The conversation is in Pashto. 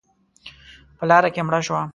_په لاره کې مړه شوه.